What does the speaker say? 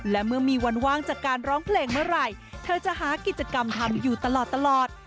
และเมื่อมีวันว่างจากการร้องเพลงเมื่อไหร่เธอจะหากิจกรรมทำอยู่ตลอด